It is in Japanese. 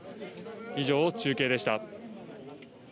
以上、中継でした。